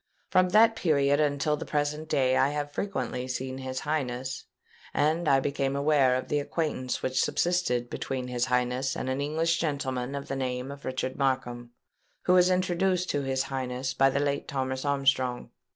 From that period until the present day I have frequently seen his Highness; and I became aware of the acquaintance which subsisted between his Highness and an English gentleman of the name of Richard Markham, who was introduced to his Highness by the late Thomas Armstrong.